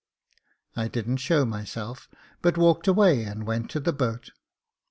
I didn't show myself, but walked away and went to the boat.